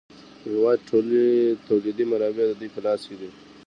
د هېواد ټولې تولیدي منابع د دوی په لاس کې دي